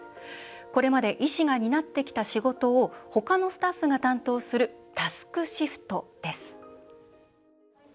これまで医師が担ってきた仕事をほかのスタッフが担当するタスクシフトです。